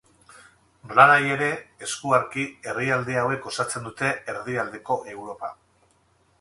Nolanahi ere, eskuarki, herrialde hauek osatzen dute Erdialdeko Europa.